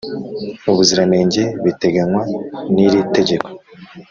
ubuziranenge biteganywa n iri tegeko